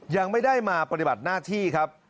ยังไม่ได้มาปฏิบัติหน้าที่ครับ